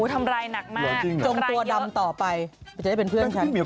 ทำรายหนักมากจงตัวดำต่อไปจะได้เป็นเพื่อนฉันหรือจริงเหรอ